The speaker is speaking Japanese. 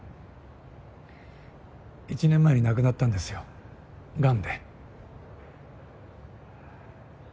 １年前に亡くなったんですよがんで。